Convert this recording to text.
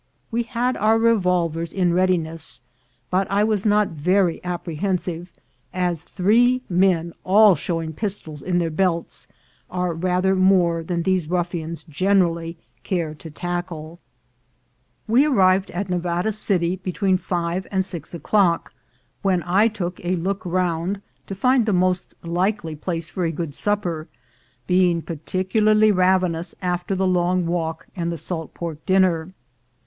We had our revolvers in readiness; but I was not very apprehensive, as three men, all showing pistols in their belts, are rather more than those ruffians generally care to tackle. 182 THE GOLD HUNTERS We arrived at Nevada City between five and six o'clock, when I took a look round to find the most likely place for a good supper, being particularly ravenous after the long walk and the salt pork dinner.